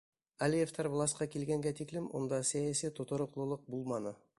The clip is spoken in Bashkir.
Алиевтар власҡа килгәнгә тиклем унда сәйәси тотороҡлолоҡ булманы.